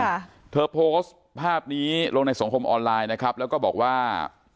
ค่ะเธอโพสต์ภาพนี้ลงในสังคมออนไลน์นะครับแล้วก็บอกว่า